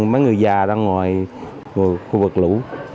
mấy người già ra ngoài khu vực lũ